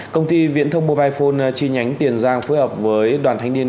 công ty viễn thông mobile phone chi nhánh tiền giang phối hợp với đoàn thanh niên